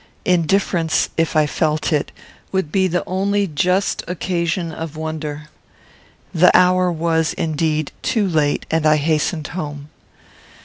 Indifference, if I felt it, would be the only just occasion of wonder. The hour was, indeed, too late, and I hastened home.